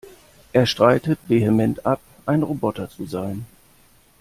Er streitet vehement ab, ein Roboter zu sein.